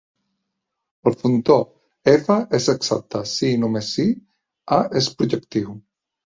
El functor "F" és exacte si i només si "A" és projectiu.